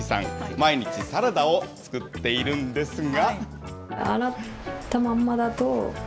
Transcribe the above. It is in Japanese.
毎日サラダを作っているんですが。